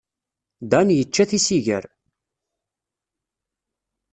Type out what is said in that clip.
Dan yečča tisigar.